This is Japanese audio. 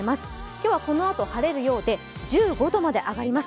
今日はこのあと晴れるようで、１５度まで上がります。